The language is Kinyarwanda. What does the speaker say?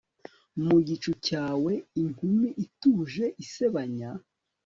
Mu gicucu cyaWe inkumi ituje isebanya